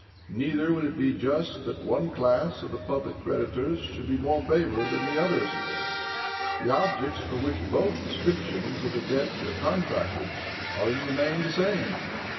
Neither would it be just that one class of the public creditors should be more favored than the other. The objects for which both descriptions of the debt were contracted are in the main the same.